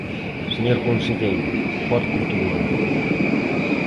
Señor conselleiro, pode continuar.